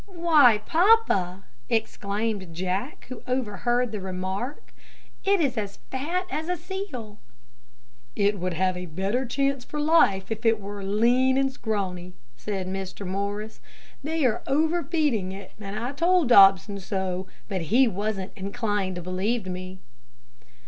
"Why, papa!" exclaimed Jack, who overheard the remark, "it is as fat as a seal." "It would have a better chance for its life if it were lean and scrawny," said Mr. Morris. "They are over feeding it, and I told Mr. Dobson so, but he wasn't inclined to believe me."